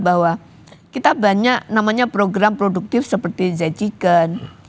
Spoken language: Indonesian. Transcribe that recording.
bahwa kita banyak program produktif seperti zajikan